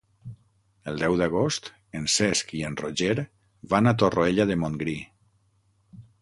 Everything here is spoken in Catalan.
El deu d'agost en Cesc i en Roger van a Torroella de Montgrí.